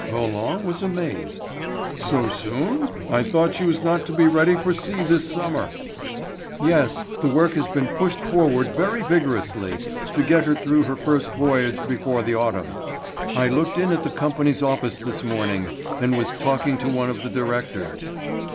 Roland was amazed. "So soon? I thought she was not to be ready for sea this summer." "Yes. The work has been pushed forward very vigorously, to get her through her first voyage before the autumn. I looked in at the Company's office this morning, and was talking to one of the directors."